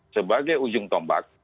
sebagai ujung tombak